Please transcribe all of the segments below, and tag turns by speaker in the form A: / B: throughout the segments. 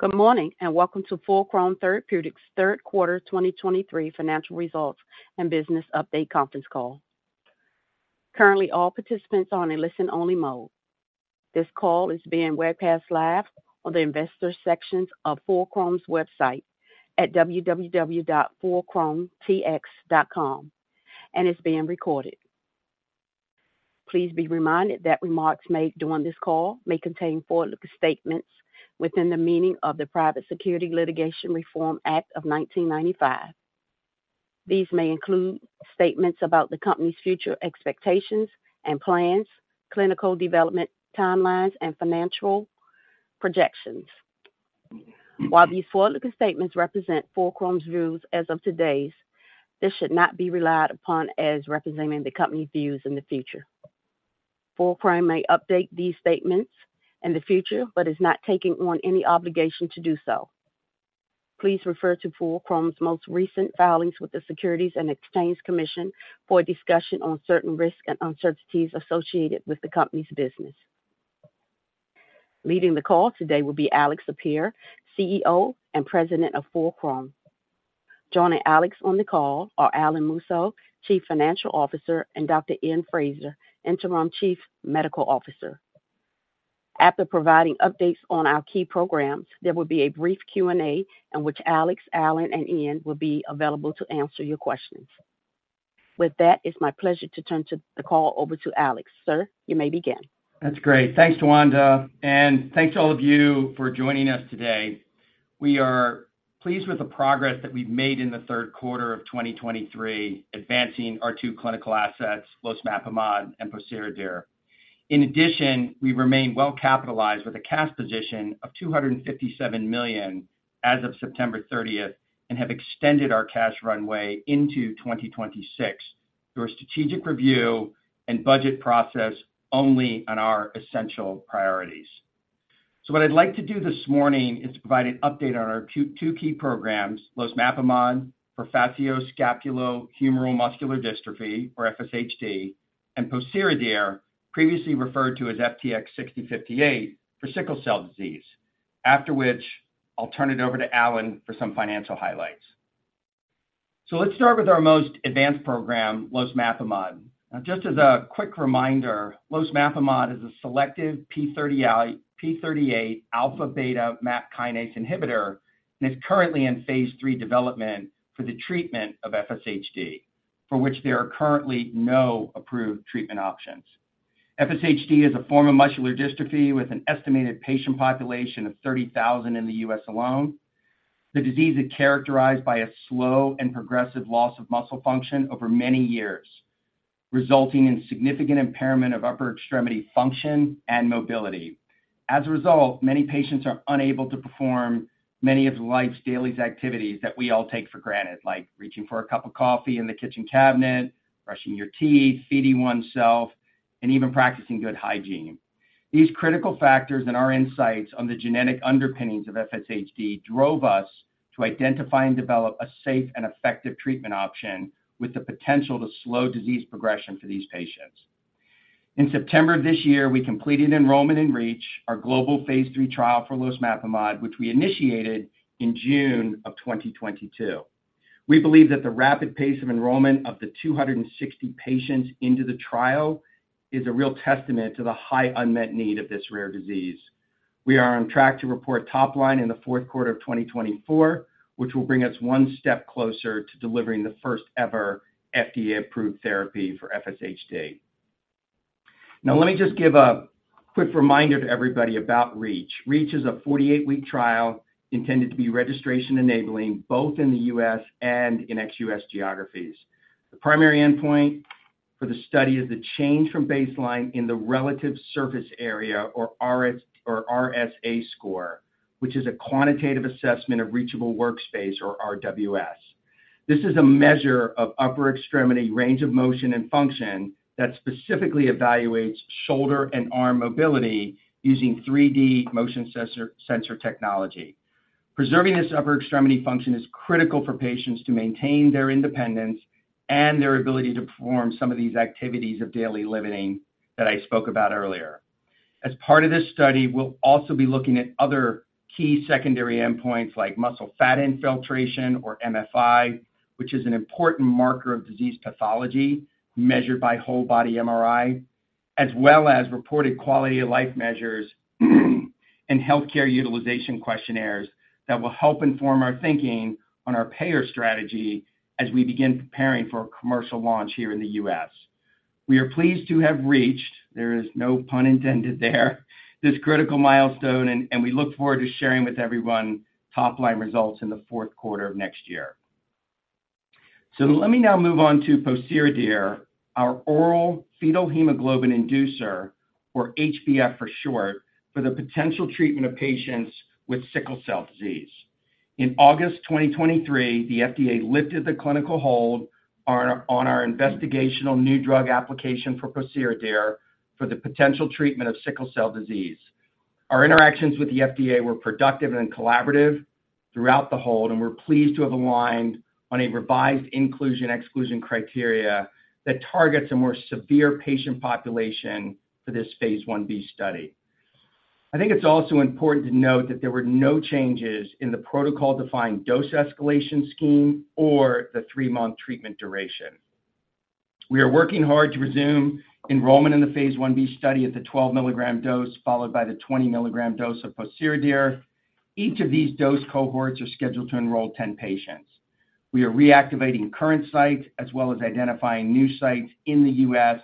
A: Good morning, and welcome to Fulcrum Therapeutics' third quarter 2023 financial results and business update conference call. Currently, all participants are in a listen-only mode. This call is being webcast live on the Investors section of Fulcrum's website at www.fulcrumtx.com, and it's being recorded. Please be reminded that remarks made during this call may contain forward-looking statements within the meaning of the Private Securities Litigation Reform Act of 1995. These may include statements about the company's future expectations and plans, clinical development timelines, and financial projections. While these forward-looking statements represent Fulcrum's views as of today, this should not be relied upon as representing the company's views in the future. Fulcrum may update these statements in the future but is not taking on any obligation to do so. Please refer to Fulcrum's most recent filings with the Securities and Exchange Commission for a discussion on certain risks and uncertainties associated with the company's business. Leading the call today will be Alex Sapir, CEO and President of Fulcrum. Joining Alex on the call are Alan Musso, Chief Financial Officer, and Dr. Iain Fraser, Interim Chief Medical Officer. After providing updates on our key programs, there will be a brief Q&A in which Alex, Alan, and Iain will be available to answer your questions. With that, it's my pleasure to turn the call over to Alex. Sir, you may begin.
B: That's great. Thanks, Tawanda, and thanks to all of you for joining us today. We are pleased with the progress that we've made in the third quarter of 2023, advancing our two clinical assets, losmapimod and pociredir. In addition, we remain well capitalized with a cash position of $257 million as of September 30 and have extended our cash runway into 2026 through a strategic review and budget process only on our essential priorities. So what I'd like to do this morning is provide an update on our two key programs, losmapimod for facioscapulohumeral muscular dystrophy, or FSHD, and pociredir, previously referred to as FTX-6058, for sickle cell disease, after which I'll turn it over to Alan for some financial highlights. So let's start with our most advanced program, losmapimod. Now, just as a quick reminder, losmapimod is a selective p38α/β MAP kinase inhibitor, and it's currently in phase III development for the treatment of FSHD, for which there are currently no approved treatment options. FSHD is a form of muscular dystrophy with an estimated patient population of 30,000 in the U.S. alone. The disease is characterized by a slow and progressive loss of muscle function over many years, resulting in significant impairment of upper extremity function and mobility. As a result, many patients are unable to perform many of life's daily activities that we all take for granted, like reaching for a cup of coffee in the kitchen cabinet, brushing your teeth, feeding oneself, and even practicing good hygiene. These critical factors and our insights on the genetic underpinnings of FSHD drove us to identify and develop a safe and effective treatment option with the potential to slow disease progression for these patients. In September of this year, we completed enrollment in REACH, our global phase III trial for losmapimod, which we initiated in June 2022. We believe that the rapid pace of enrollment of the 260 patients into the trial is a real testament to the high unmet need of this rare disease. We are on track to report top line in the fourth quarter of 2024, which will bring us one step closer to delivering the first-ever FDA-approved therapy for FSHD. Now, let me just give a quick reminder to everybody about REACH. REACH is a 48-week trial intended to be registration-enabling both in the U.S. and in ex-U.S. geographies. The primary endpoint for the study is the change from baseline in the relative surface area, or RS, or RSA score, which is a quantitative assessment of reachable workspace, or RWS. This is a measure of upper extremity range of motion and function that specifically evaluates shoulder and arm mobility using 3D motion sensor technology. Preserving this upper extremity function is critical for patients to maintain their independence and their ability to perform some of these activities of daily living that I spoke about earlier. As part of this study, we'll also be looking at other key secondary endpoints like muscle fat infiltration, or MFI, which is an important marker of disease pathology measured by whole-body MRI, as well as reported quality-of-life measures and healthcare utilization questionnaires that will help inform our thinking on our payer strategy as we begin preparing for a commercial launch here in the U.S. We are pleased to have reached, there is no pun intended there, this critical milestone, and, and we look forward to sharing with everyone top-line results in the fourth quarter of next year. So let me now move on to pociredir, our oral fetal hemoglobin inducer, or HbF for short, for the potential treatment of patients with sickle cell disease. In August 2023, the FDA lifted the clinical hold on our investigational new drug application for pociredir for the potential treatment of sickle cell disease. Our interactions with the FDA were productive and collaborative throughout the hold, and we're pleased to have aligned on a revised inclusion/exclusion criteria that targets a more severe patient population for this phase I-B study. I think it's also important to note that there were no changes in the protocol-defined dose escalation scheme or the three-month treatment duration. We are working hard to resume enrollment in the phase I-B study at the 12 mg dose, followed by the 20 mg dose of pociredir. Each of these dose cohorts are scheduled to enroll 10 patients. We are reactivating current sites, as well as identifying new sites in the U.S.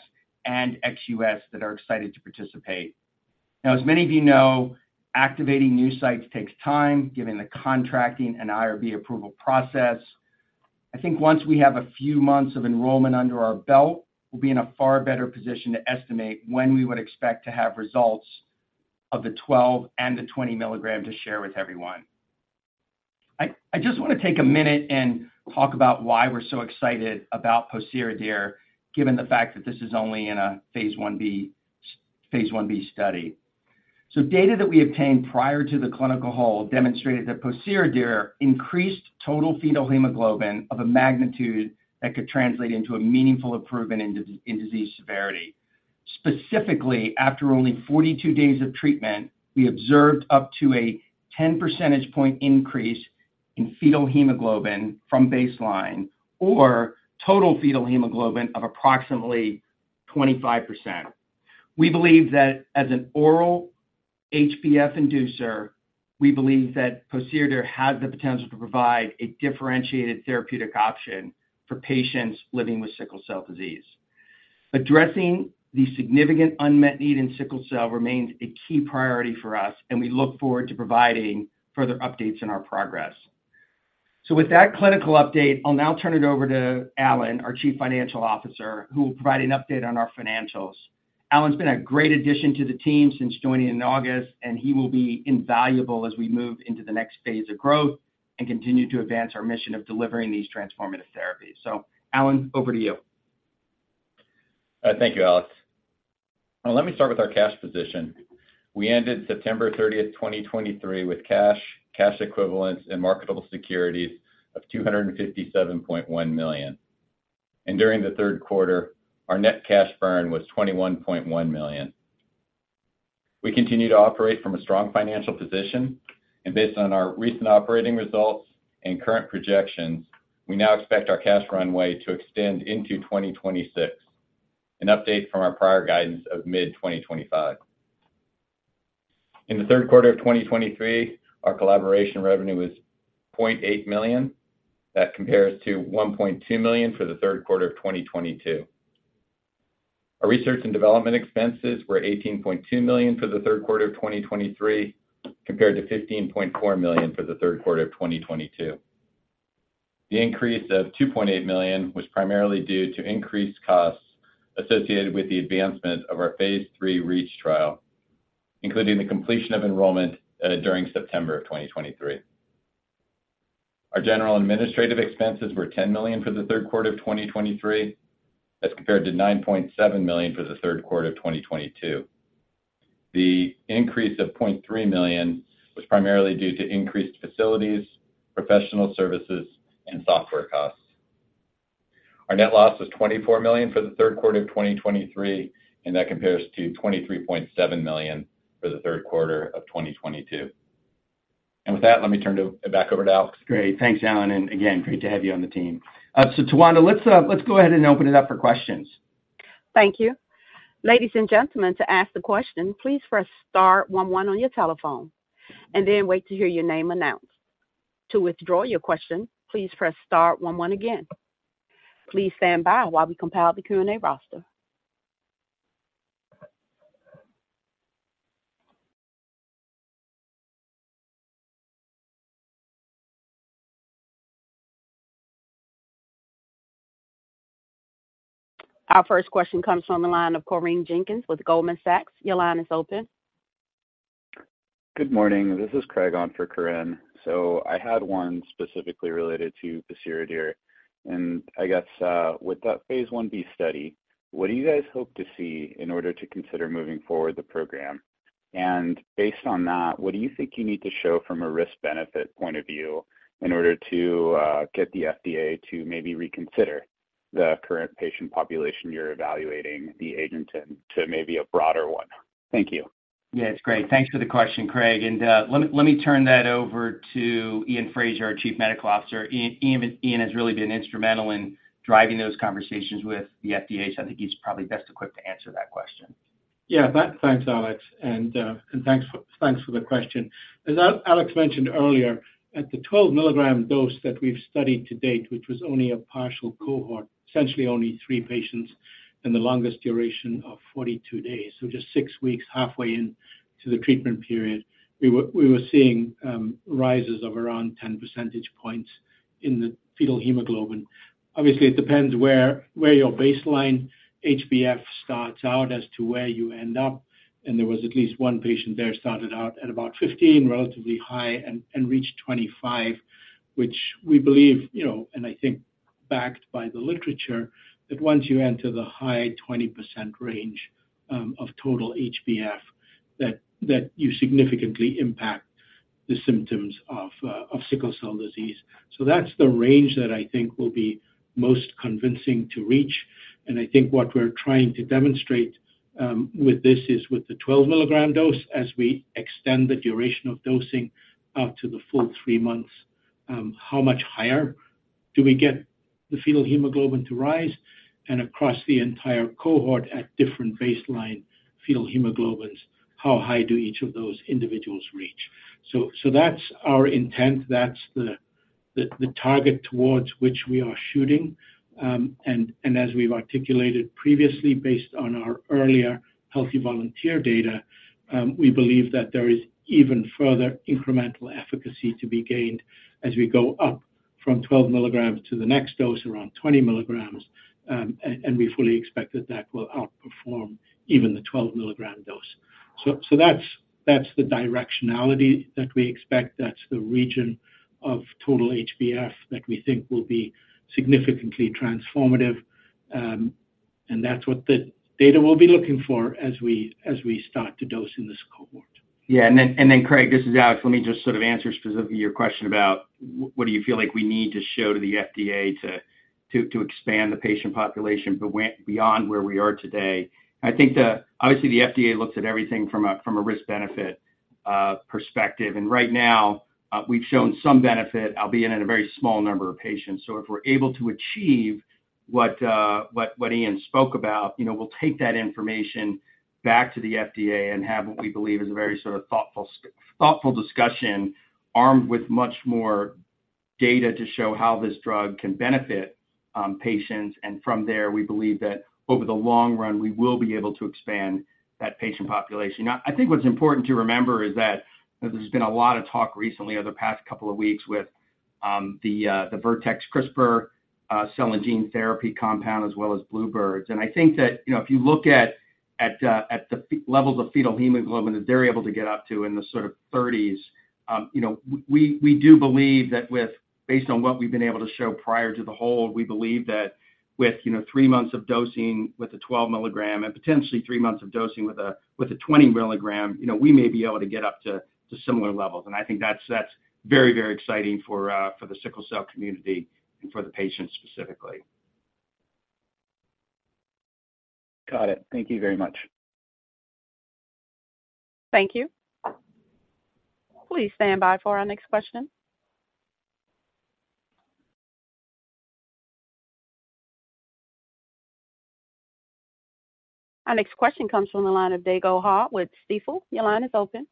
B: and ex-U.S. that are excited to participate. Now, as many of you know, activating new sites takes time, given the contracting and IRB approval process. I think once we have a few months of enrollment under our belt, we'll be in a far better position to estimate when we would expect to have results of the 12- and 20-mg to share with everyone. I just want to take a minute and talk about why we're so excited about pociredir, given the fact that this is only in a phase I-B study. So data that we obtained prior to the clinical hold demonstrated that pociredir increased total fetal hemoglobin of a magnitude that could translate into a meaningful improvement in disease severity. Specifically, after only 42 days of treatment, we observed up to a 10 percentage point increase in fetal hemoglobin from baseline, or total fetal hemoglobin of approximately 25%. We believe that as an oral HbF inducer, we believe that pociredir has the potential to provide a differentiated therapeutic option for patients living with sickle cell disease. Addressing the significant unmet need in sickle cell remains a key priority for us, and we look forward to providing further updates on our progress. So with that clinical update, I'll now turn it over to Alan, our Chief Financial Officer, who will provide an update on our financials. Alan's been a great addition to the team since joining in August, and he will be invaluable as we move into the next phase of growth and continue to advance our mission of delivering these transformative therapies. So Alan, over to you.
C: Thank you, Alex. Now, let me start with our cash position. We ended September 30, 2023, with cash, cash equivalents, and marketable securities of $257.1 million. During the third quarter, our net cash burn was $21.1 million. We continue to operate from a strong financial position, and based on our recent operating results and current projections, we now expect our cash runway to extend into 2026, an update from our prior guidance of mid-2025. In the third quarter of 2023, our collaboration revenue was $0.8 million. That compares to $1.2 million for the third quarter of 2022. Our research and development expenses were $18.2 million for the third quarter of 2023, compared to $15.4 million for the third quarter of 2022. The increase of $2.8 million was primarily due to increased costs associated with the advancement of our phase III REACH trial, including the completion of enrollment during September of 2023. Our general administrative expenses were $10 million for the third quarter of 2023, that's compared to $9.7 million for the third quarter of 2022. The increase of $0.3 million was primarily due to increased facilities, professional services, and software costs. Our net loss was $24 million for the third quarter of 2023, and that compares to $23.7 million for the third quarter of 2022. With that, let me turn it back over to Alex.
B: Great. Thanks, Alan, and again, great to have you on the team. So Tawanda, let's go ahead and open it up for questions.
A: Thank you. Ladies and gentlemen, to ask a question, please press star one one on your telephone and then wait to hear your name announced. To withdraw your question, please press star one one again. Please stand by while we compile the Q&A roster. Our first question comes from the line of Corinne Jenkins with Goldman Sachs. Your line is open.
D: Good morning. This is Craig on for Corinne. So I had one specifically related to pociredir, and I guess, with that phase I-B study, what do you guys hope to see in order to consider moving forward the program? And based on that, what do you think you need to show from a risk-benefit point of view in order to get the FDA to maybe reconsider the current patient population you're evaluating the agent in to maybe a broader one? Thank you.
B: Yeah, it's great. Thanks for the question, Craig, and let me turn that over to Iain Fraser, our Chief Medical Officer. Iain has really been instrumental in driving those conversations with the FDA, so I think he's probably best equipped to answer that question.
E: Yeah. Thanks, Alex, and thanks for the question. As Alex mentioned earlier, at the 12 mg dose that we've studied to date, which was only a partial cohort, essentially only three patients in the longest duration of 42 days, so just six weeks, halfway into the treatment period, we were seeing rises of around 10 percentage points in the fetal hemoglobin. Obviously, it depends where your baseline HbF starts out as to where you end up, and there was at least one patient there started out at about 15, relatively high, and reached 25, which we believe, you know, and I think backed by the literature, that once you enter the high 20% range of total HbF, that you significantly impact the symptoms of sickle cell disease. So that's the range that I think will be most convincing to reach. And I think what we're trying to demonstrate with this is with the 12 mg dose, as we extend the duration of dosing out to the full three months, how much higher do we get the fetal hemoglobin to rise? And across the entire cohort at different baseline fetal hemoglobins, how high do each of those individuals reach? So that's our intent, that's the target towards which we are shooting. And as we've articulated previously, based on our earlier healthy volunteer data, we believe that there is even further incremental efficacy to be gained as we go up from 12 mg to the next dose, around 20 mg. And we fully expect that that will outperform even the 12 mg dose. So that's, that's the directionality that we expect, that's the region of total HbF that we think will be significantly transformative, and that's what the data will be looking for as we start to dose in this cohort.
B: Yeah. And then, Craig, this is Alex. Let me just sort of answer specifically your question about what do you feel like we need to show to the FDA to expand the patient population beyond where we are today? I think obviously, the FDA looks at everything from a risk-benefit perspective. And right now, we've shown some benefit, albeit in a very small number of patients. So if we're able to achieve what Iain spoke about, you know, we'll take that information back to the FDA and have what we believe is a very sort of thoughtful discussion, armed with much more data to show how this drug can benefit patients. And from there, we believe that over the long run, we will be able to expand that patient population. Now, I think what's important to remember is that there's been a lot of talk recently, over the past couple of weeks, with the Vertex CRISPR cell and gene therapy compound, as well as bluebird bio's. And I think that, you know, if you look at the levels of fetal hemoglobin that they're able to get up to in the sort of thirties, you know, we do believe that based on what we've been able to show prior to the hold, we believe that with, you know, three months of dosing with a 12 mg and potentially three months of dosing with a 20 mg, you know, we may be able to get up to similar levels. I think that's very, very exciting for the sickle cell community and for the patients specifically.
E: Got it. Thank you very much.
A: Thank you. Please stand by for our next question. Our next question comes from the line of Dae Gon Ha with Stifel. Your line is open.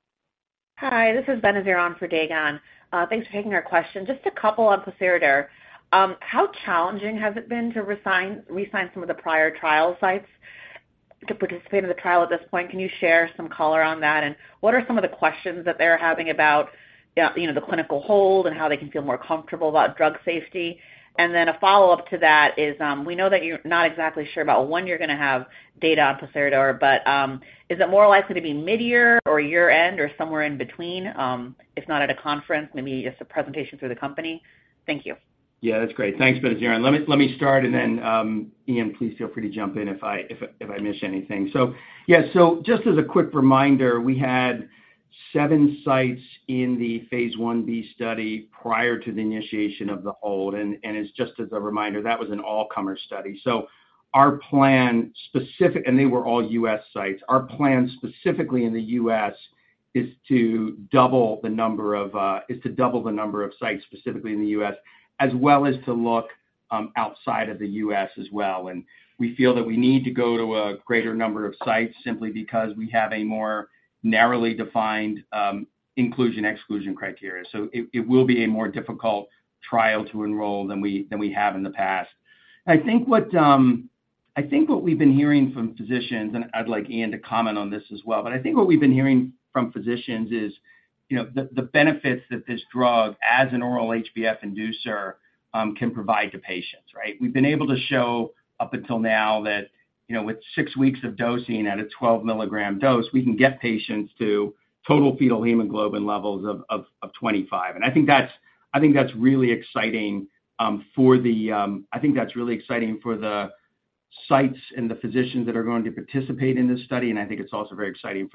F: Hi, this is Benazir on for Dae Gon. Thanks for taking our question. Just a couple on pociredir. How challenging has it been to reassign some of the prior trial sites to participate in the trial at this point? Can you share some color on that? And what are some of the questions that they're having about, you know, the clinical hold and how they can feel more comfortable about drug safety? And then a follow-up to that is, we know that you're not exactly sure about when you're going to have data on pociredir, but is it more likely to be mid-year or year-end or somewhere in between? If not at a conference, maybe just a presentation through the company. Thank you.
B: Yeah, that's great. Thanks, Benazir. Let me start, and then, Iain, please feel free to jump in if I miss anything. So, yeah, so just as a quick reminder, we had seven sites in the phase I-B study prior to the initiation of the hold. And as just as a reminder, that was an all-comer study. So our plan, specifically, and they were all U.S. sites. Our plan, specifically in the U.S., is to double the number of sites specifically in the U.S., as well as to look outside of the U.S. as well. And we feel that we need to go to a greater number of sites simply because we have a more narrowly defined inclusion/exclusion criteria. It will be a more difficult trial to enroll than we have in the past. I think what we've been hearing from physicians, and I'd like Iain to comment on this as well, but I think what we've been hearing from physicians is, you know, the benefits that this drug, as an oral HbF inducer, can provide to patients, right? We've been able to show up until now that, you know, with six weeks of dosing at a 12 mg dose, we can get patients to total fetal hemoglobin levels of 25. I think that's really exciting for the sites and the physicians that are going to participate in this study, and I think it's also very exciting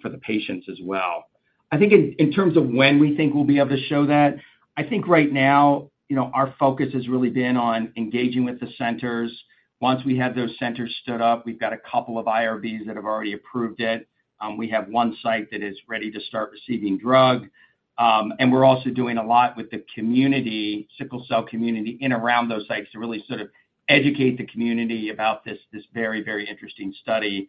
B: for the patients as well. I think in terms of when we think we'll be able to show that, I think right now, you know, our focus has really been on engaging with the centers. Once we have those centers stood up, we've got a couple of IRBs that have already approved it. We have one site that is ready to start receiving drug. And we're also doing a lot with the community, sickle cell community, in around those sites to really sort of educate the community about this, this very, very interesting study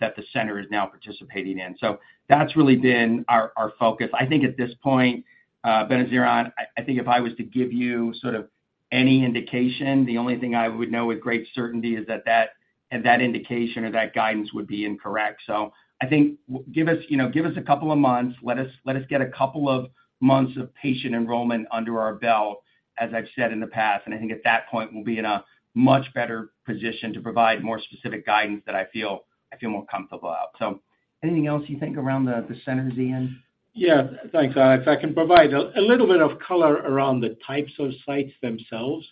B: that the center is now participating in. So that's really been our focus. I think at this point, Benazir on for, I think if I was to give you sort of any indication, the only thing I would know with great certainty is that that indication or that guidance would be incorrect. So I think give us, you know, give us a couple of months. Let us get a couple of months of patient enrollment under our belt, as I've said in the past, and I think at that point, we'll be in a much better position to provide more specific guidance that I feel more comfortable about. So... Anything else you think around the centers, Iain?
E: Yeah, thanks, Alex. I can provide a little bit of color around the types of sites themselves.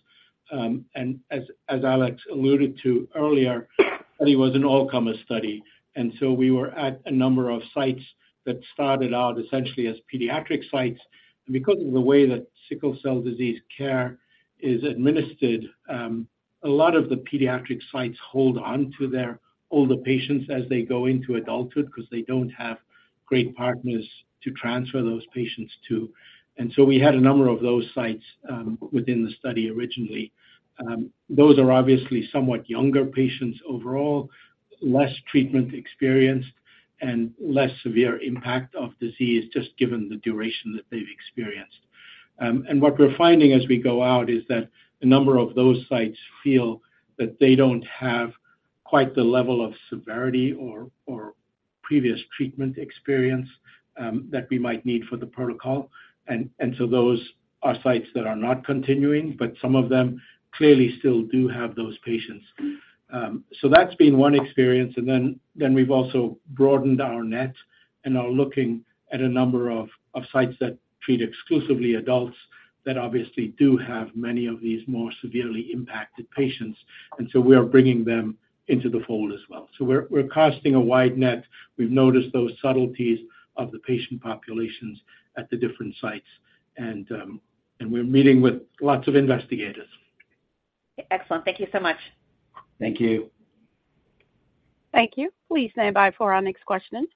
E: As Alex alluded to earlier, it was an all-comer study, and so we were at a number of sites that started out essentially as pediatric sites. Because of the way that sickle cell disease care is administered, a lot of the pediatric sites hold on to their older patients as they go into adulthood because they don't have great partners to transfer those patients to. So we had a number of those sites within the study originally. Those are obviously somewhat younger patients overall, less treatment experienced, and less severe impact of disease, just given the duration that they've experienced. What we're finding as we go out is that a number of those sites feel that they don't have quite the level of severity or previous treatment experience that we might need for the protocol. So those are sites that are not continuing, but some of them clearly still do have those patients. So that's been one experience, and then we've also broadened our net and are looking at a number of sites that treat exclusively adults, that obviously do have many of these more severely impacted patients, and so we are bringing them into the fold as well. So we're casting a wide net. We've noticed those subtleties of the patient populations at the different sites, and we're meeting with lots of investigators.
F: Excellent. Thank you so much.
B: Thank you.
A: Thank you. Please stand by for our next question.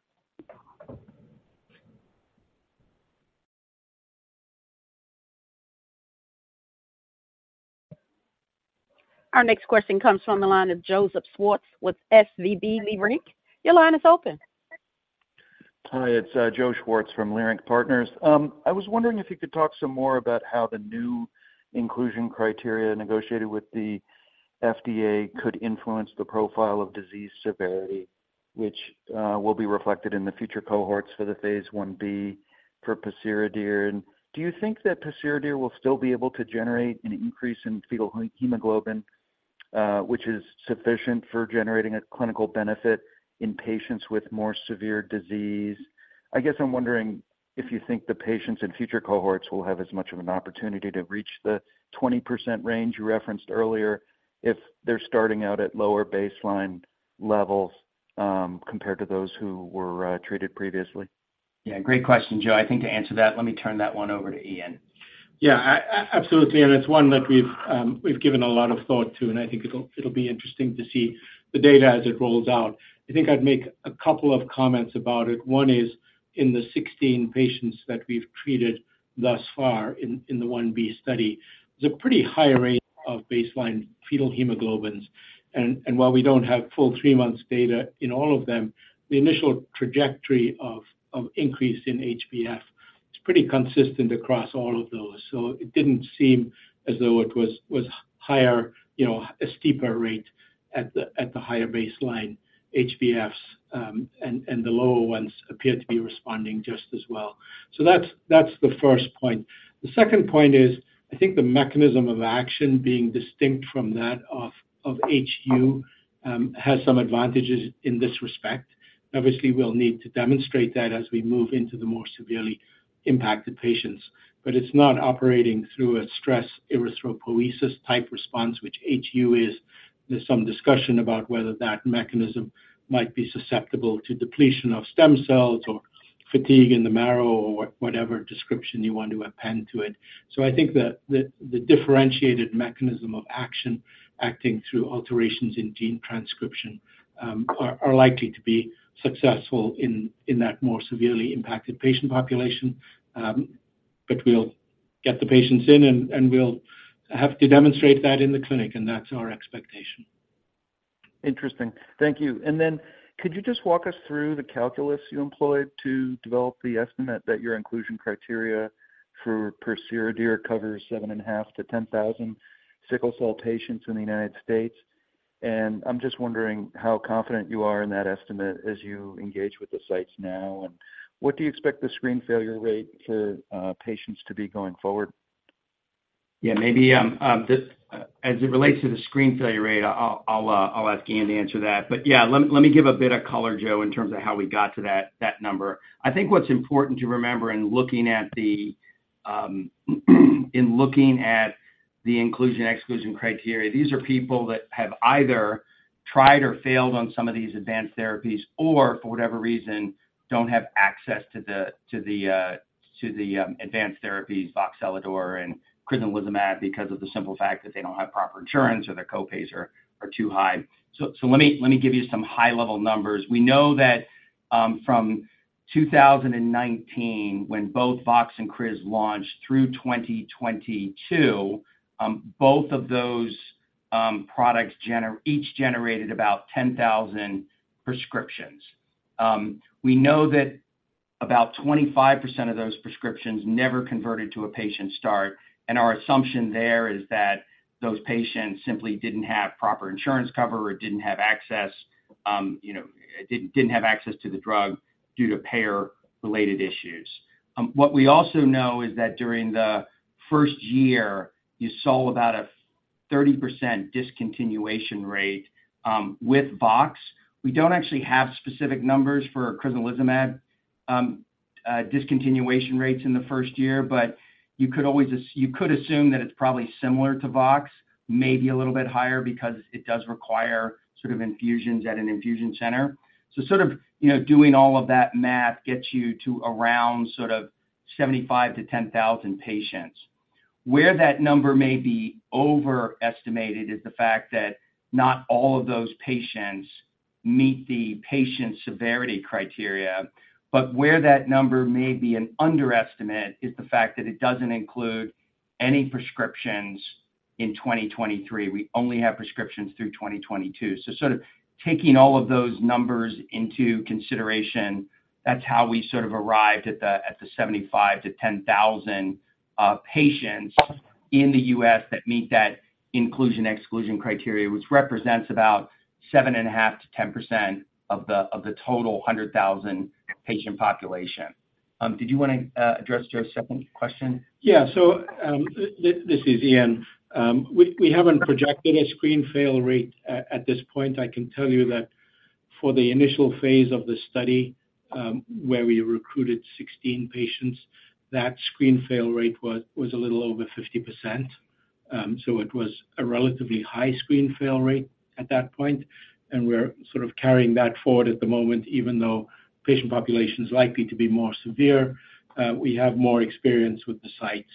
A: Our next question comes from the line of Joseph Schwartz, with SVB Leerink. Your line is open.
G: Hi, it's Joe Schwartz from Leerink Partners. I was wondering if you could talk some more about how the new inclusion criteria negotiated with the FDA could influence the profile of disease severity, which will be reflected in the future cohorts for the phase I-B for pociredir. And do you think that pociredir will still be able to generate an increase in fetal hemoglobin, which is sufficient for generating a clinical benefit in patients with more severe disease? I guess I'm wondering if you think the patients in future cohorts will have as much of an opportunity to reach the 20% range you referenced earlier, if they're starting out at lower baseline levels, compared to those who were treated previously.
B: Yeah, great question, Joe. I think to answer that, let me turn that one over to Iain.
E: Yeah, absolutely. And it's one that we've given a lot of thought to, and I think it'll be interesting to see the data as it rolls out. I think I'd make a couple of comments about it. One is, in the 16 patients that we've treated thus far in the 1b study, there's a pretty high rate of baseline fetal hemoglobins. And while we don't have full three months data in all of them, the initial trajectory of increase in HbF is pretty consistent across all of those. So it didn't seem as though it was higher, you know, a steeper rate at the higher baseline HbFs, and the lower ones appeared to be responding just as well. So that's the first point. The second point is, I think the mechanism of action being distinct from that of HU has some advantages in this respect. Obviously, we'll need to demonstrate that as we move into the more severely impacted patients. But it's not operating through a stress erythropoiesis-type response, which HU is. There's some discussion about whether that mechanism might be susceptible to depletion of stem cells or fatigue in the marrow or whatever description you want to append to it. So I think that the differentiated mechanism of action acting through alterations in gene transcription are likely to be successful in that more severely impacted patient population. But we'll get the patients in, and we'll have to demonstrate that in the clinic, and that's our expectation.
G: Interesting. Thank you. And then could you just walk us through the calculus you employed to develop the estimate that your inclusion criteria for pociredir covers 7,500-10,000 sickle cell patients in the United States? And I'm just wondering how confident you are in that estimate as you engage with the sites now, and what do you expect the screen failure rate for patients to be going forward?
B: Yeah, maybe, as it relates to the screen failure rate, I'll ask Iain to answer that. But yeah, let me give a bit of color, Joe, in terms of how we got to that number. I think what's important to remember in looking at the inclusion/exclusion criteria, these are people that have either tried or failed on some of these advanced therapies, or for whatever reason, don't have access to the advanced therapies, voxelotor and crizanlizumab, because of the simple fact that they don't have proper insurance or their copays are too high. So let me give you some high-level numbers. We know that from 2019, when both Vox and Criz launched through 2022, both of those products each generated about 10,000 prescriptions. We know that about 25% of those prescriptions never converted to a patient start, and our assumption there is that those patients simply didn't have proper insurance cover or didn't have access, you know, didn't have access to the drug due to payer-related issues. What we also know is that during the first year, you saw about thirty percent discontinuation rate with Vox. We don't actually have specific numbers for crizanlizumab, discontinuation rates in the first year, but you could always just assume that it's probably similar to Vox, maybe a little bit higher because it does require sort of infusions at an infusion center. So sort of, you know, doing all of that math gets you to around sort of 75-10,000 patients. Where that number may be overestimated is the fact that not all of those patients meet the patient severity criteria, but where that number may be an underestimate is the fact that it doesn't include any prescriptions in 2023. We only have prescriptions through 2022. So sort of taking all of those numbers into consideration, that's how we sort of arrived at the, at the 75-10,000 patients in the U.S. that meet that inclusion, exclusion criteria, which represents about 7.5%-10% of the, of the total 100,000 patient population. Did you wanna address Joe's second question?
E: Yeah. So, this is Iain. We haven't projected a screen fail rate at this point. I can tell you that for the initial phase of the study, where we recruited 16 patients, that screen fail rate was a little over 50%. So it was a relatively high screen fail rate at that point, and we're sort of carrying that forward at the moment, even though patient population is likely to be more severe. We have more experience with the sites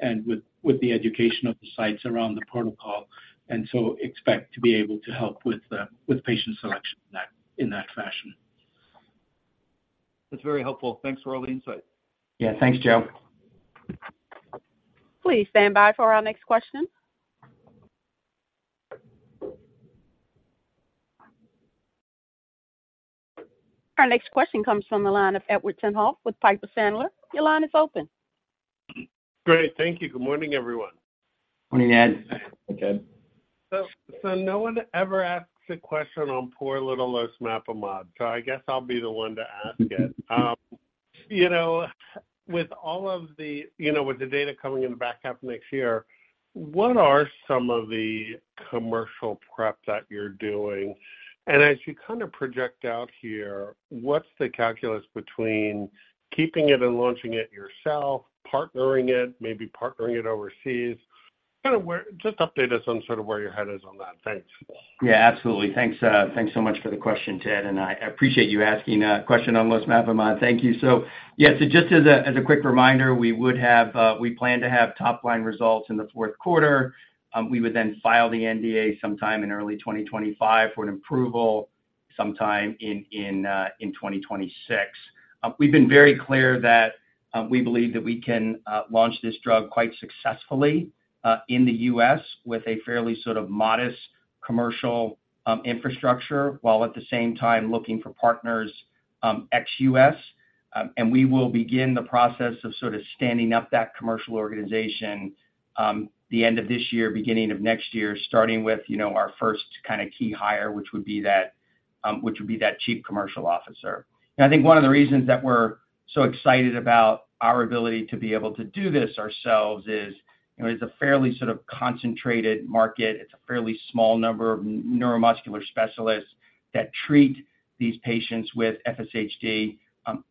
E: and with the education of the sites around the protocol, and so expect to be able to help with patient selection in that fashion.
G: That's very helpful. Thanks for all the insight.
B: Yeah. Thanks, Joe.
A: Please stand by for our next question. Our next question comes from the line of Edward Tenthoff with Piper Sandler. Your line is open.
H: Great. Thank you. Good morning, everyone.
B: Morning, Ed.
E: Hey, Ted.
H: So, no one ever asks a question on poor little losmapimod, so I guess I'll be the one to ask it. You know, with all of the... You know, with the data coming in the back half of next year, what are some of the commercial prep that you're doing? And as you kind of project out here, what's the calculus between keeping it and launching it yourself, partnering it, maybe partnering it overseas? Kind of where just update us on sort of where your head is on that. Thanks.
B: Yeah, absolutely. Thanks, thanks so much for the question, Ted, and I, I appreciate you asking a question on losmapimod. Thank you. So, yeah, so just as a, as a quick reminder, we would have, we plan to have top-line results in the fourth quarter. We would then file the NDA sometime in early 2025 for an approval sometime in, in, in 2026. We've been very clear that we believe that we can launch this drug quite successfully in the U.S. with a fairly sort of modest commercial infrastructure, while at the same time looking for partners ex-U.S. And we will begin the process of sort of standing up that commercial organization, the end of this year, beginning of next year, starting with, you know, our first kind of key hire, which would be that, which would be that chief commercial officer. And I think one of the reasons that we're so excited about our ability to be able to do this ourselves is, you know, it's a fairly sort of concentrated market. It's a fairly small number of neuromuscular specialists that treat these patients with FSHD.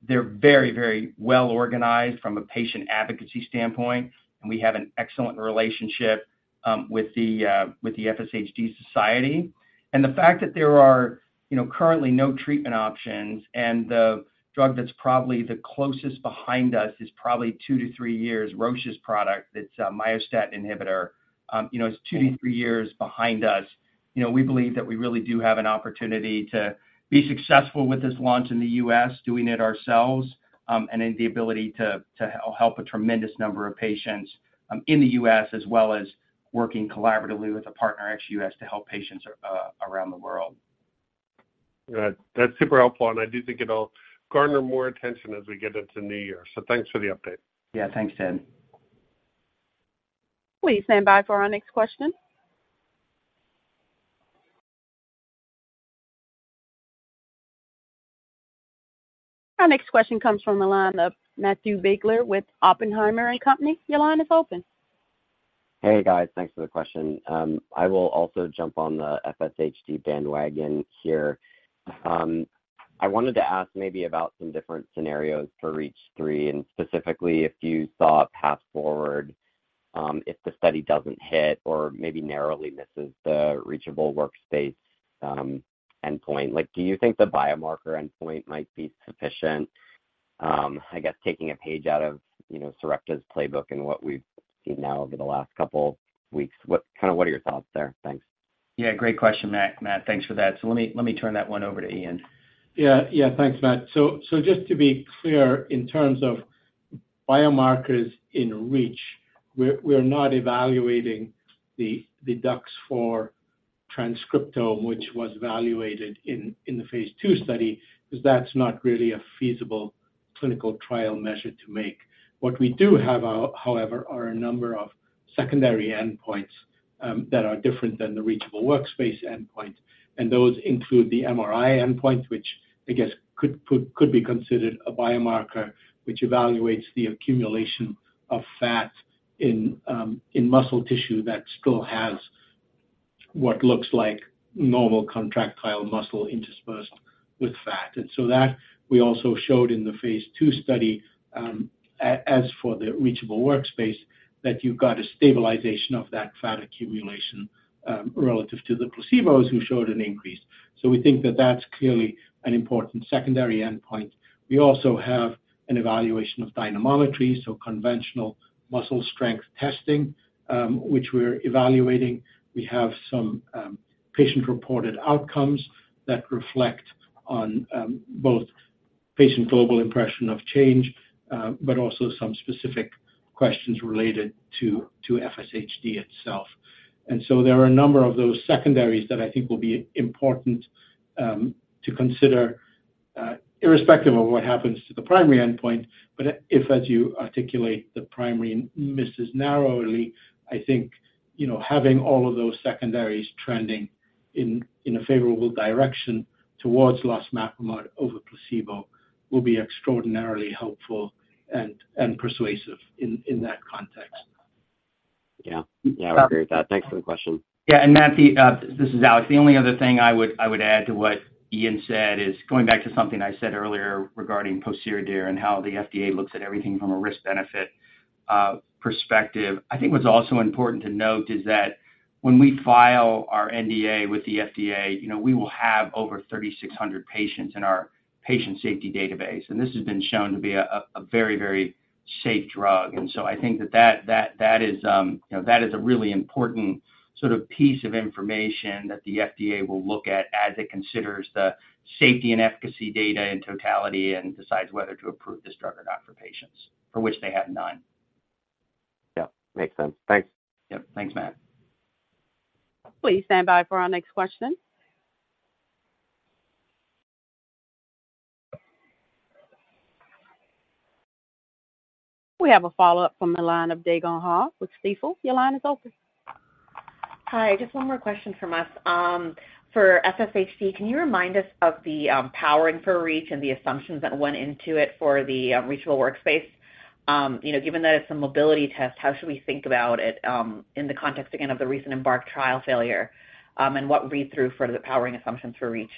B: They're very, very well organized from a patient advocacy standpoint, and we have an excellent relationship, with the, with the FSHD Society. The fact that there are, you know, currently no treatment options, and the drug that's probably the closest behind us is probably two to three years, Roche's product, that's a myostatin inhibitor. You know, it's two to three years behind us. You know, we believe that we really do have an opportunity to be successful with this launch in the U.S., doing it ourselves, and then the ability to help a tremendous number of patients in the U.S., as well as working collaboratively with a partner, ex-U.S., to help patients around the world.
H: Good. That's super helpful, and I do think it'll garner more attention as we get into New Year. So thanks for the update.
B: Yeah. Thanks, Ted.
A: Please stand by for our next question. Our next question comes from the line of Matthew Biegler with Oppenheimer & Co. Your line is open.
I: Hey, guys. Thanks for the question. I will also jump on the FSHD bandwagon here. I wanted to ask maybe about some different scenarios for REACH 3, and specifically, if you saw a path forward, if the study doesn't hit or maybe narrowly misses the reachable workspace endpoint. Like, do you think the biomarker endpoint might be sufficient? I guess taking a page out of, you know, Sarepta's playbook and what we've seen now over the last couple weeks, kind of what are your thoughts there? Thanks.
B: Yeah, great question, Matt. Matt, thanks for that. So let me, let me turn that one over to Iain.
E: Yeah, yeah, thanks, Matt. So just to be clear, in terms of biomarkers in REACH, we're not evaluating the DUX4 transcriptome, which was evaluated in the phase II study, because that's not really a feasible clinical trial measure to make. What we do have out, however, are a number of secondary endpoints that are different than the reachable workspace endpoint, and those include the MRI endpoint, which I guess could be considered a biomarker, which evaluates the accumulation of fat in muscle tissue that still has what looks like normal contractile muscle interspersed with fat. And so that we also showed in the phase II study, as for the reachable workspace, that you've got a stabilization of that fat accumulation relative to the placebos who showed an increase. So we think that that's clearly an important secondary endpoint. We also have an evaluation of dynamometry, so conventional muscle strength testing, which we're evaluating. We have some patient-reported outcomes that reflect on both patient global impression of change, but also some specific questions related to FSHD itself. And so there are a number of those secondaries that I think will be important to consider irrespective of what happens to the primary endpoint. But if, as you articulate, the primary misses narrowly, I think, you know, having all of those secondaries trending in a favorable direction towards losmapimod over placebo will be extraordinarily helpful and persuasive in that context.
I: Yeah. Yeah, I agree with that. Thanks for the question.
B: Yeah, and Matthew, this is Alex. The only other thing I would, I would add to what Iain said is going back to something I said earlier regarding pociredir and how the FDA looks at everything from a risk-benefit perspective. I think what's also important to note is that when we file our NDA with the FDA, you know, we will have over 3,600 patients in our patient safety database, and this has been shown to be a, a very, very safe drug. And so I think that, that, that, that is, you know, that is a really important sort of piece of information that the FDA will look at as it considers the safety and efficacy data in totality and decides whether to approve this drug or not for patients, for which they have none.
I: Yeah, makes sense. Thanks.
B: Yep. Thanks, Matt.
A: Please stand by for our next question. We have a follow-up from the line of Dae Gon Ha with Stifel. Your line is open.
F: Hi, just one more question from us. For FSHD, can you remind us of the powering for REACH and the assumptions that went into it for the reachable workspace? You know, given that it's a mobility test, how should we think about it in the context, again, of the recent EMBARK trial failure, and what read-through for the powering assumptions for REACH?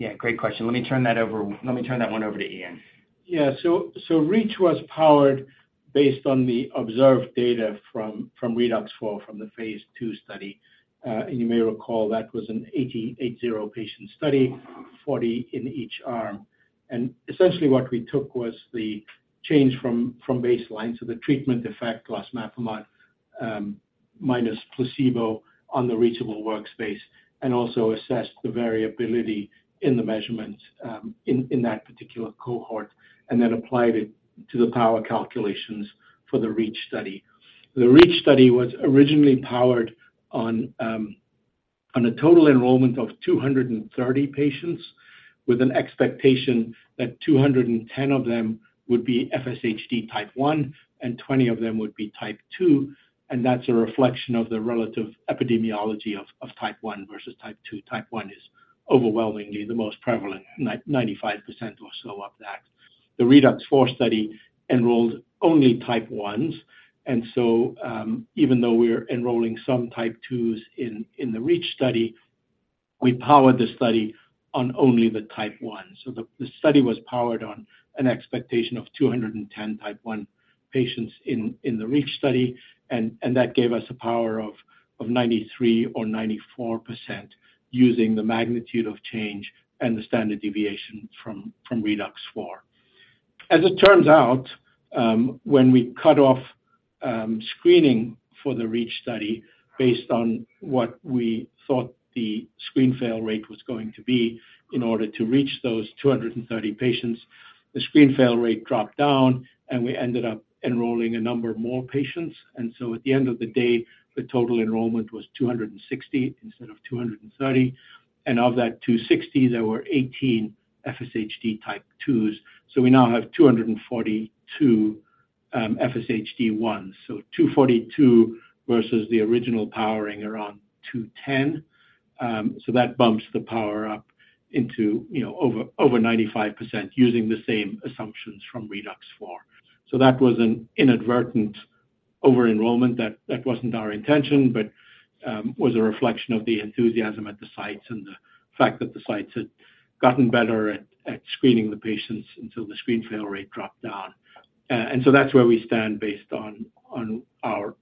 B: Yeah, great question. Let me turn that one over to Iain.
E: Yeah. So, REACH was powered based on the observed data from ReDUX4, from the phase II study. And you may recall, that was an 80-patient study, 40 in each arm. And essentially what we took was the change from baseline, so the treatment effect, losmapimod minus placebo on the reachable workspace, and also assessed the variability in the measurements in that particular cohort, and then applied it to the power calculations for the REACH study. The REACH study was originally powered on a total enrollment of 230 patients, with an expectation that 210 of them would be FSHD Type 1, and 20 of them would be Type 2, and that's a reflection of the relative epidemiology of Type 1 versus Type 2. Type 1 is overwhelmingly the most prevalent, 95% or so of that. The ReDUX4 study enrolled only Type 1s, and so, even though we're enrolling some Type 2s in the REACH study, we powered the study on only the Type 1. So the study was powered on an expectation of 210 Type 1 patients in the REACH study, and that gave us a power of 93% or 94% using the magnitude of change and the standard deviation from ReDUX4. As it turns out, when we cut off screening for the REACH study based on what we thought the screen fail rate was going to be in order to reach those 230 patients, the screen fail rate dropped down, and we ended up enrolling a number of more patients. At the end of the day, the total enrollment was 260 instead of 230, and of that 260, there were 18 FSHD Type 2s. We now have 242 FSHD1, so 242 versus the original powering around 210. So that bumps the power up into, you know, over 95% using the same assumptions from ReDUX4. That was an inadvertent over-enrollment. That wasn't our intention, but was a reflection of the enthusiasm at the sites and the fact that the sites had gotten better at screening the patients until the screen fail rate dropped down. That's where we stand based on our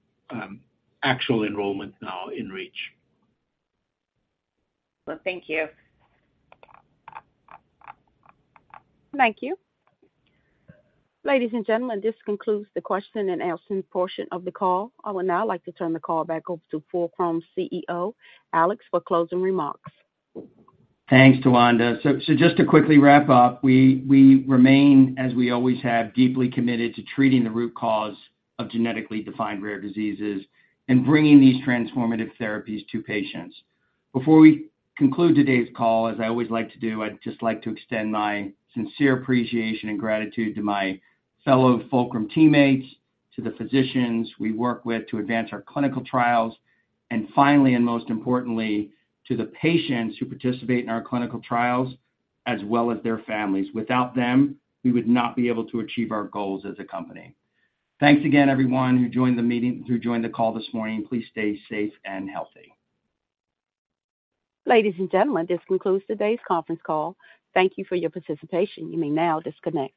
E: actual enrollment now in REACH.
F: Well, thank you.
A: Thank you. Ladies and gentlemen, this concludes the question and answer portion of the call. I would now like to turn the call back over to Fulcrum's CEO, Alex, for closing remarks.
B: Thanks, Tawanda. Just to quickly wrap up, we remain, as we always have, deeply committed to treating the root cause of genetically defined rare diseases and bringing these transformative therapies to patients. Before we conclude today's call, as I always like to do, I'd just like to extend my sincere appreciation and gratitude to my fellow Fulcrum teammates, to the physicians we work with to advance our clinical trials, and finally, and most importantly, to the patients who participate in our clinical trials, as well as their families. Without them, we would not be able to achieve our goals as a company. Thanks again, everyone, who joined the call this morning. Please stay safe and healthy.
A: Ladies and gentlemen, this concludes today's conference call. Thank you for your participation. You may now disconnect.